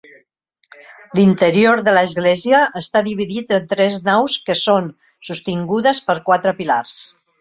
L'interior de l'església està dividit en tres naus que són sostingudes per quatre pilars.